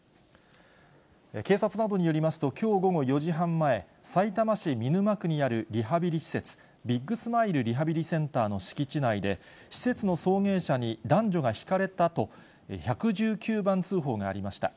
警察などによりますと、きょう午後４時半前、さいたま市見沼区にあるリハビリ施設、ビッグスマイルリハビリセンターの敷地内で、施設の送迎車に男女がひかれたと１１９番通報がありました。